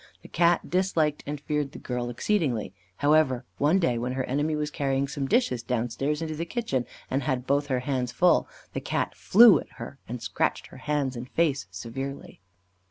The Cat disliked and feared the girl exceedingly; however, one day, when her enemy was carrying some dishes down stairs into the kitchen, and had both her hands full, the Cat flew at her and scratched her hands and face severely.